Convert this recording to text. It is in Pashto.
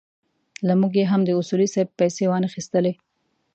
له موږ یې هم د اصولي صیب پېسې وانخيستلې.